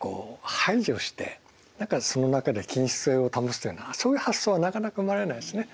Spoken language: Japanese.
排除してその中で均質性を保つというようなそういう発想はなかなか生まれないですね。